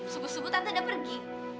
subuh subuh tante udah pergi